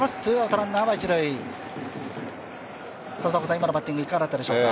今のバッティングいかがだったでしょうか？